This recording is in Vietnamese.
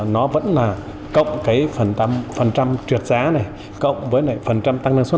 nó vẫn là cộng cái phần trượt giá này cộng với phần trăm tăng lương xuất